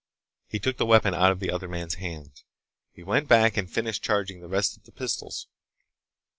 He took the weapon out of the other man's hands. He went back and finished charging the rest of the pistols.